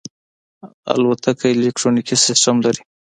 الوتکه الکترونیکي سیستم لري.